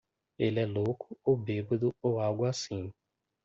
Ele é louco ou bêbado ou algo assim.